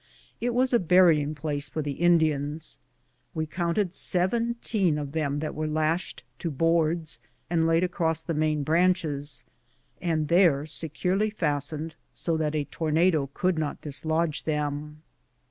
It was a burying place for the Indians. We counted seventeen of them that were lashed to boards and laid across the main branches, and there securely fastened, so that a tornado could not dislodge them.